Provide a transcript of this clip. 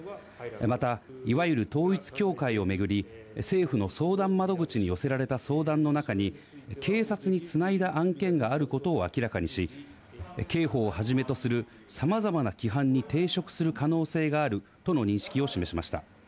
また、いわゆる統一教会をめぐり、政府の相談窓口に寄せられた相談の中に、警察につないだ案件があることが明らかにし、警報をはじめとするさまざまな規範に抵触する可能性があるとの認識を示しました。